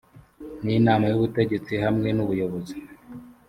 n inama y ubutegetsi hamwe n ubuyobozi